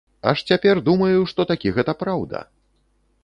Аж цяпер думаю, што такі гэта праўда.